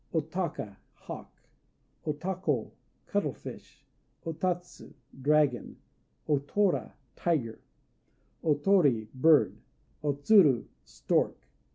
_ O Taka "Hawk." O Tako "Cuttlefish." (?) O Tatsu "Dragon." O Tora "Tiger." O Tori "Bird." O Tsuru "Stork."